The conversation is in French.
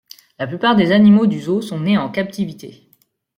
La plupart des animaux du zoo sont nés en captivité.